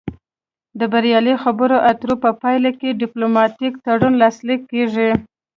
د بریالۍ خبرو اترو په پایله کې ډیپلوماتیک تړون لاسلیک کیږي